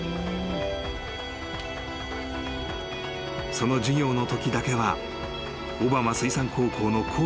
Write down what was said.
［その授業のときだけは小浜水産高校の校舎を使い